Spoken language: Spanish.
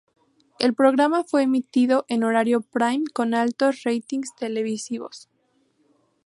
El programa fue emitido en horario prime con altos ratings televisivos.